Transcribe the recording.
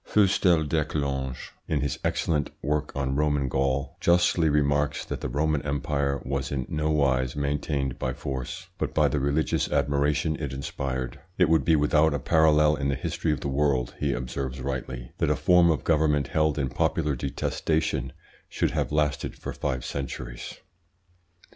Fustel de Coulanges, in his excellent work on Roman Gaul, justly remarks that the Roman Empire was in no wise maintained by force, but by the religious admiration it inspired. "It would be without a parallel in the history of the world," he observes rightly, "that a form of government held in popular detestation should have lasted for five centuries.